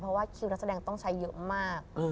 เพราะว่าคิวนักแสดงต้องใช้เยอะมาก